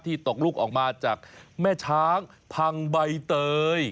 ตกลูกออกมาจากแม่ช้างพังใบเตย